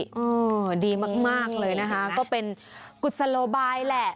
ดีมากเลยนะคะก็เป็นกุศโลบายแหละ